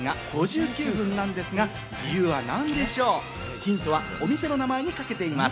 ヒントはお店の名前にかけています。